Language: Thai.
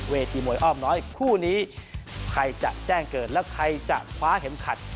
เวทีมวยอ้อมน้อยคู่นี้ใครจะแจ้งเกิดแล้วใครจะคว้าเข็มขัด